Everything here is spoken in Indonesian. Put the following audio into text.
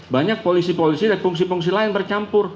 banyak polisi polisi dan fungsi fungsi lain bercampur